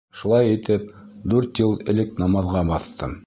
Шулай итеп, дүрт йыл элек намаҙға баҫтым.